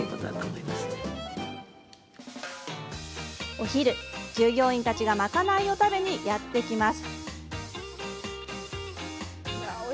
お昼、従業員たちが賄いを食べにやって来ます。